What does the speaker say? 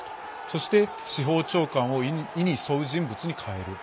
そして、司法長官を意に沿う人物に代える。